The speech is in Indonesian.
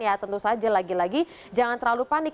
ya tentu saja lagi lagi jangan terlalu panik